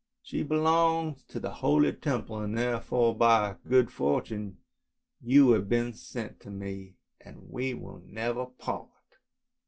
She belongs to the holy Temple, and therefore by good fortune you have been sent to^me, we will never part!